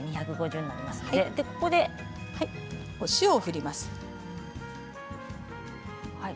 ここでお塩を振ります。